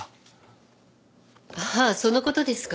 ああその事ですか。